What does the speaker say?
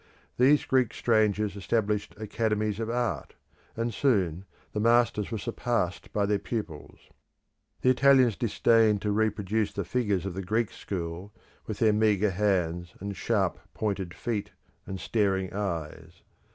These Greek strangers established academies of art; and soon the masters were surpassed by their pupils. The Italians disdained to reproduce the figures of the Greek school, with their meagre hands, and sharp pointed feet, and staring eyes.